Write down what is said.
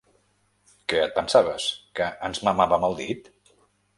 Què et pensaves, que ens mamàvem el dit?